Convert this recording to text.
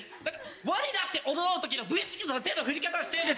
『ＷＡになっておどろう』の時のＶ６の手の振り方をしてんです。